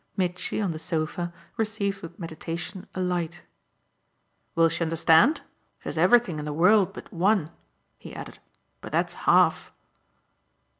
Mitchy, on the sofa, received with meditation a light. "Will she understand? She has everything in the world but one," he added. "But that's half."